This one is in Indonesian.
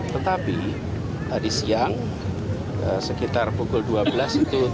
tetapi tadi siang sekitar pukul dua belas itu